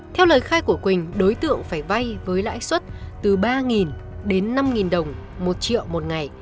theo lời khai của quỳnh đối tượng phải vay với lãi suất từ ba đến năm đồng